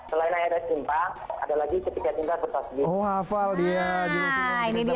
selain ayat ayat cinta ada lagi ketika ketika bertasbih